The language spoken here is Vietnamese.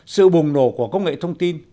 sự bùng nổ của công nghệ thông tin